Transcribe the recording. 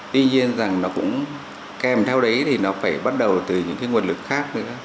tuy nhiên rằng nó cũng kèm theo đấy thì nó phải bắt đầu từ những cái nguồn lực khác nữa